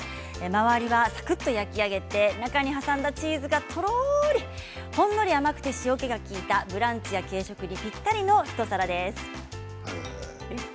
周りはサクっと焼き上げて中に挟んだチーズがとろーりほんのり甘くて塩けが利いたブランチや軽食にぴったりの一皿です。